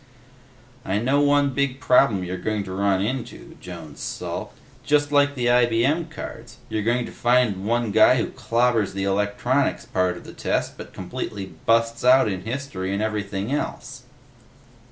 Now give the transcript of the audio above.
"I know one big problem you're going to run into," Jones sulked. "Just like the IBM cards. You're going to find one guy who clobbers the Electronics part of the test but completely busts out in History and everything else."